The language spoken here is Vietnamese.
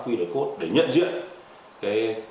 qr code để nhận diện